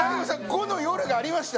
５の夜がありました